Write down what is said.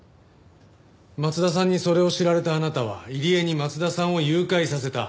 松田さんにそれを知られたあなたは入江に松田さんを誘拐させた。